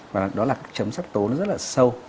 và đó là chấm sắc tố nó rất là sâu